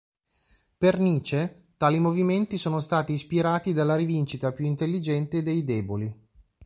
Per Nietzsche, tali movimenti sono stati ispirati dalla "rivincita più intelligente" dei deboli.